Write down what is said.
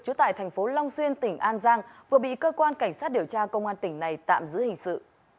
trú tại thành phố long xuyên tỉnh an giang vừa bị cơ quan cảnh sát điều tra công an tỉnh này tạm giữ hình sự